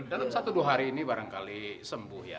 dalam satu dua hari ini barangkali sembuh ya